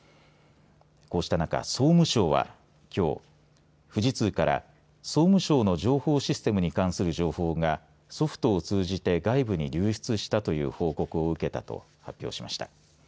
こうした中、総務省はきょう富士通から総務省の情報システムに関する情報がソフトを通じて外部に流出したという報告を受けたと発表しました。